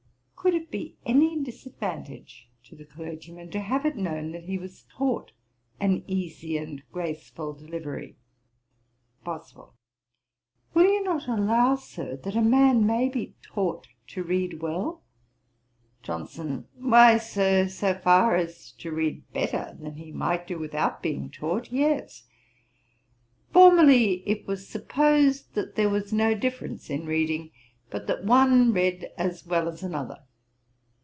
Could it be any disadvantage to the clergyman to have it known that he was taught an easy and graceful delivery? BOSWELL. 'Will you not allow, Sir, that a man may be taught to read well?' JOHNSON. 'Why, Sir, so far as to read better than he might do without being taught, yes. Formerly it was supposed that there was no difference in reading, but that one read as well as another.'